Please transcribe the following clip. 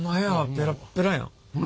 ペラッペラや。